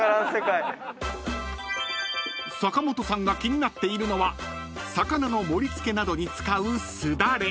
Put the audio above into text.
［坂本さんが気になっているのは魚の盛り付けなどに使うすだれ］